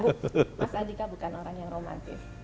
mas andika bukan orang yang romantis